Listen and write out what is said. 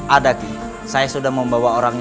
ada ki saya sudah membawa orang